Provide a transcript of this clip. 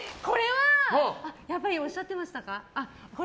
やっぱりおっしゃってましたか？